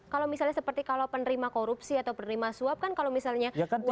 kalau misalnya seperti kalau penerima korupsi atau penerima suap kan kalau misalnya